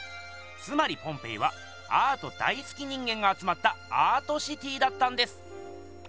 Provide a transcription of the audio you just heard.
つまりポンペイはアート大すき人間があつまったアートシティーだったんです！